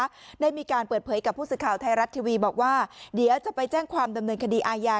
ได้มีการเปิดเผยกับผู้สื่อข่าวไทยรัฐทีวีบอกว่าเดี๋ยวจะไปแจ้งความดำเนินคดีอาญา